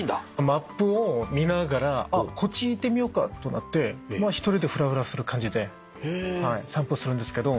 マップを見ながらあっこっち行ってみようかとなって１人でふらふらする感じで散歩するんですけど。